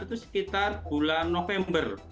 itu sekitar bulan november